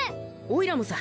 おいらもさ。